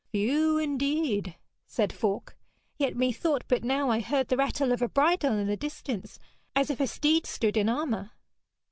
'Few indeed,' said Falk. 'Yet methought but now I heard the rattle of a bridle in the distance, as if a steed stood in armour.'